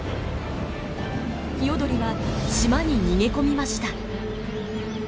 ヒヨドリは島に逃げ込みました。